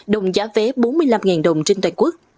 đồng giá vé bốn mươi năm đồng trên toàn quốc